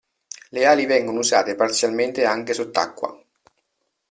Le ali vengono usate parzialmente anche sott'acqua.